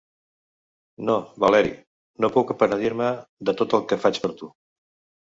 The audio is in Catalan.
No, Valeri, no puc penedir-me de tot el que faig per tu.